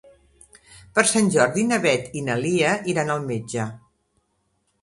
Per Sant Jordi na Beth i na Lia iran al metge.